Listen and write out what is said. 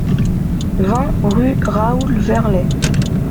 vingt rue Raoul Verlet